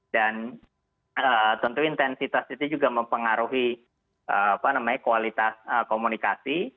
dan tentu intensitas itu juga mempengaruhi kualitas komunikasi